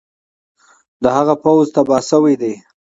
د هغه پوځ تباه شوی دی.